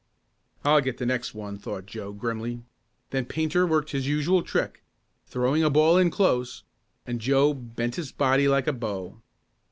"I'll get the next one," thought Joe grimly. Then Painter worked his usual trick, of throwing a ball close in, and Joe bent his body like a bow.